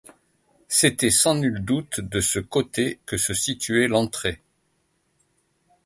C'était sans nul doute de ce côté que se situait l'entrée.